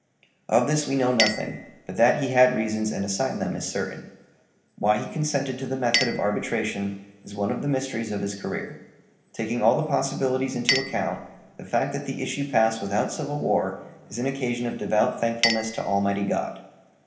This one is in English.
Of this we know nothing; but that he had reasons and assigned them is certain. Why he consented to the method of arbitration is one of the mysteries of his career. Taking all the possibilities into account, the fact that the issue passed without civil war is an occasion of devout thankfulness to Almighty God.